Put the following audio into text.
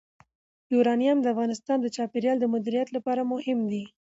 یورانیم د افغانستان د چاپیریال د مدیریت لپاره مهم دي.